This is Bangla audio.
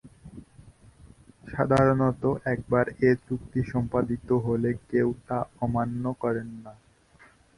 সাধারণত একবার এ চুক্তি সস্পাদিত হলে কেউ তা অমান্য করেন না।